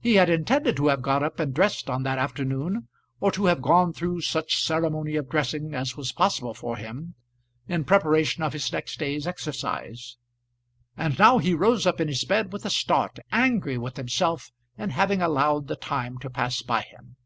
He had intended to have got up and dressed on that afternoon, or to have gone through such ceremony of dressing as was possible for him, in preparation of his next day's exercise; and now he rose up in his bed with a start, angry with himself in having allowed the time to pass by him.